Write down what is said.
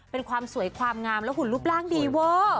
เป็นความสวยความงามและหุ่นรูปร่างดีเวอร์